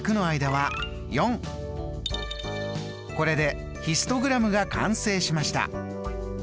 これでヒストグラムが完成しました。